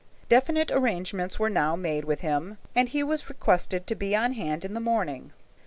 Definite arrangements were now made with him, and he was requested to be on hand in the morning.